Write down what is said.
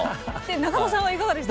中田さんはいかがでした？